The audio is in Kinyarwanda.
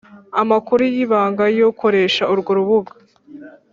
amakuru y ibanga y ukoresha urwo rubuga